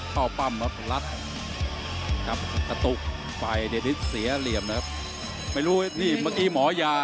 หมดยกก็หมดยก